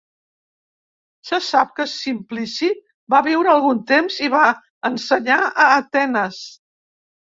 Se sap que Simplici va viure algun temps i va ensenyar a Atenes.